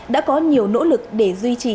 đã có nhiều nỗ lực để duy trì